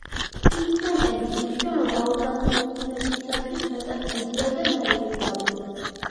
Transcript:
პიგმენტების მნიშვნელობა ორგანიზმებისათვის მეტად დიდია და ნაირგვარი.